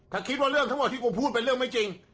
ถ้าคิดว่าเรื่องทั้งหมดที่กูพูดเป็นเรื่องไม่จริง